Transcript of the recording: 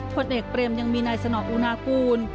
ผลเอกเปรมยังมีนายสนอกอุณากูล